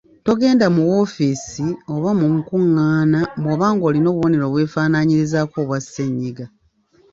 Togenda mu woofiisi oba mu nkungaana bw’oba ng’olina obubonero obwefaanaanyirizaako obwa ssennyiga.